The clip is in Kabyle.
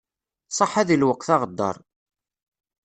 Ṣaḥḥa di lweqt aɣeddar.